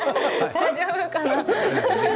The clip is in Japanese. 大丈夫かな？